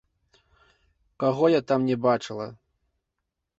Каго я там не бачыла?